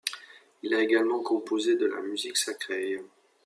Il a également composé de la musique sacrée.